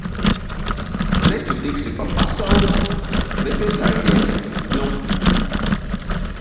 Ne tu tiksi pa pasauli, ne pie saimnieka, nu!